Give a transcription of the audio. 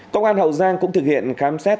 công an hậu giang cũng thực hiện khám xét